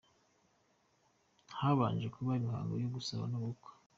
Habanje kuba imihango yo gusaba no gukwa.